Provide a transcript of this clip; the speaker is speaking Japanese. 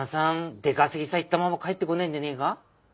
出稼ぎさ行ったまま帰ってこねえんじゃねえか？